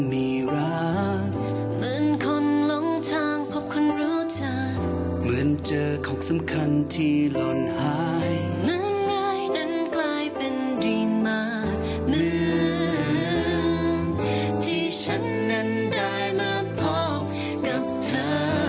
ที่ฉันนั้นได้มาพบกับเธอ